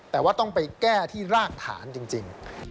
แต่ว่าต้องไปแก้ที่รากฐานจริง